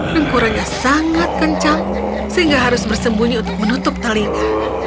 lengkurannya sangat kencang sehingga harus bersembunyi untuk menutup telinga